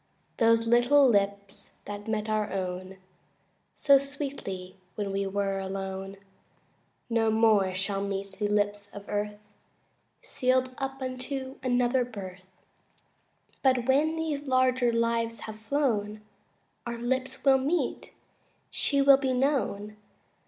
Those little lips that met our own So sweetly when we were alone No more shall meet the lips of earth, Sealed up unto another birth; But when these larger lives have flown Our lips will meet; she will be known.